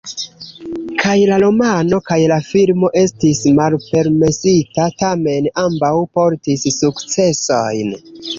Kaj la romano, kaj la filmo estis malpermesita, tamen ambaŭ portis sukcesojn.